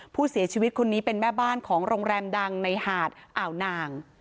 ผู้เสียชีวิตคนนี้เป็นแม่บ้านของโรงแรมดังในหาดอ่าวนาง